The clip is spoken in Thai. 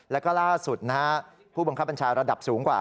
แล้วก็ล่าสุดนะฮะผู้บังคับบัญชาระดับสูงกว่า